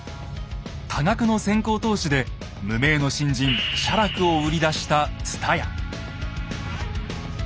多額の先行投資で無名の新人・写楽を売り出した蔦屋。